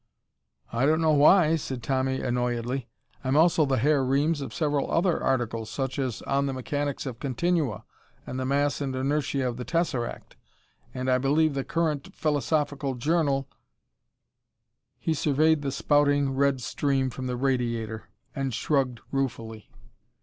"I don't know why," said Tommy annoyedly. "I'm also the Herr Reames of several other articles, such as on the mechanics of continua and the mass and inertia of the tesseract. And I believe the current Philosophical Journal "He surveyed the spouting red stream from the radiator and shrugged ruefully.